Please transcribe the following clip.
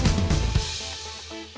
nah ini juga